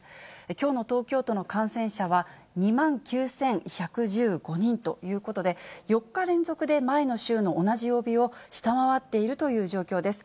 きょうの東京都の感染者は、２万９１１５人ということで、４日連続で前の週の同じ曜日を下回っているという状況です。